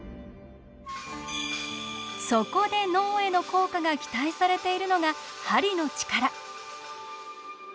そこで脳への効果が期待されているのが鍼のチカラ。